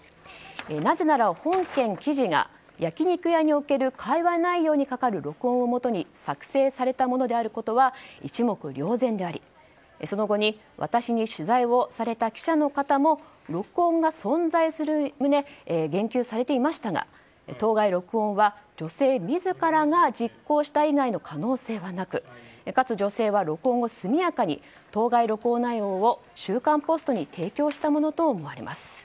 なぜなら本件記事が焼き肉屋における会話内容にかかる録音をもとに作成されたものであることは一目瞭然でありその後に私に取材をされた記者の方も録音が存在する旨言及されていましたが当該録音は女性自らが実行した以外の可能性はなくかつ女性は録音を速やかに当該録音内容を「週刊ポスト」に提供したものと思われます。